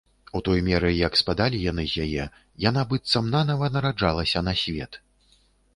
У той меры, як спадалі яны з яе, яна быццам нанава нараджалася на свет.